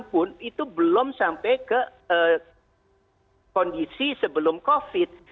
walaupun itu belum sampai ke kondisi sebelum covid